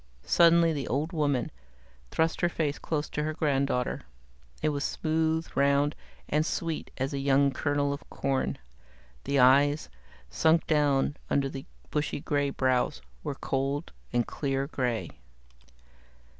Suddenly the old woman thrust her face close to her granddaughter. It was smooth, round, and sweet as a young kernel of corn. The eyes, sunk down under the bushy grey brows, were cold and clear grey.